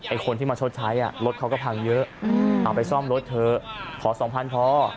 คนที่มาชดใช้รถเขาก็พังเยอะเอาไปซ่อมรถเถอะขอสองพันพอ